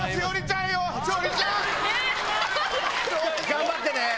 頑張ってね。